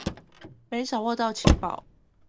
沒掌握到情報